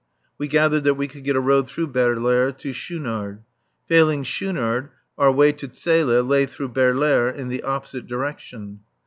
We gathered that we could get a road through Baerlaere to Schoonard. Failing Schoonard, our way to Zele lay through Baerlaere in the opposite direction.